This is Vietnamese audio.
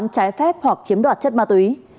trái phép hoặc chiếm đoạt chất ma túy